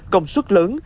công suất lớn